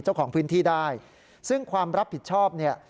เจ้าของพื้นที่ได้ซึ่งความรับผิดชอบเนี่ย